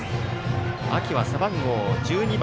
秋は背番号１２番。